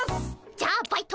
じゃあバイト